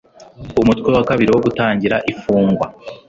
umutwe wa kabiri wo gutangira ifungwa